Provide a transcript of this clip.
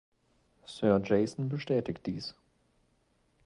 Sir Jason bestätigt dies.